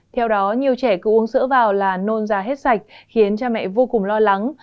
theo đó nhiều trẻ cứ uống sữa vào là nôn già hết sạch khiến cha mẹ vô cùng lo lắng